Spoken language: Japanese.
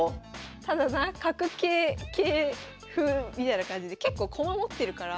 ただな角桂桂歩みたいな感じで結構駒持ってるから。